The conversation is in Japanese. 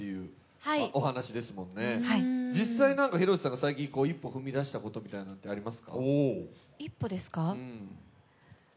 実際、広瀬さんが一歩踏み出したことってありますか？